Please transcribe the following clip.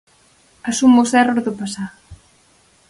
Asumo os erros do pasado.